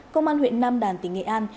công an huyện nam đàn tỉnh nghệ an